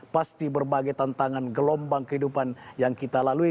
pasti berbagai tantangan gelombang kehidupan yang kita lalui